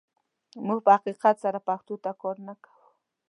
موږ په حقیقت سره پښتو ته کار نه کوو.